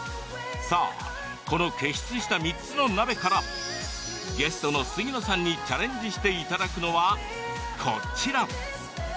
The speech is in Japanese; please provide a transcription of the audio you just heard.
さあ、この傑出した３つの中からゲストの杉野さんにチャレンジしていただくのはこちら。